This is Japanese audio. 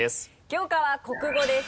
教科は国語です。